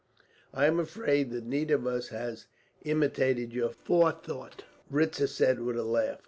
"I am afraid that neither of us has imitated your forethought," Ritzer said with a laugh.